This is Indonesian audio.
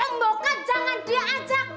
mbokat jangan diajak